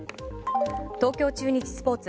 東京中日スポーツ。